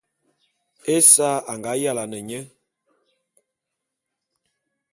Esa a nga yalane nye.